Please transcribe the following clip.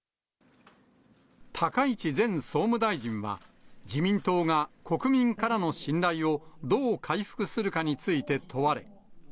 高市前総務大臣は、自民党が国民からの信頼をどう回復するかについて問われ。